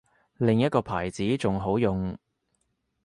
另一個牌子仲好用